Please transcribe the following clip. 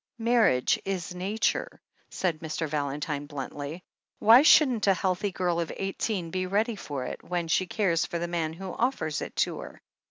"Marriage is nature," said Mr. Valentine bltmtly. "Why shouldn't a healthy girl of eighteen be ready for it whea she cares for the man who offers it to her